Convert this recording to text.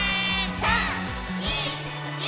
３、２、１。